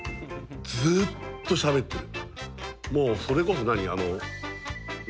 ずっとしゃべっている。